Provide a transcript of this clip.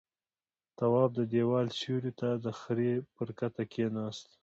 تواب د دېوال سيوري ته د خرې پر کته کېناست.